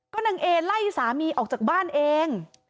ก็นางเอไล่สามีออกจากบ้านเอง